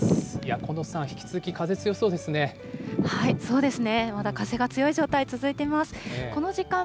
近藤さん、引き続き、風強そうですね。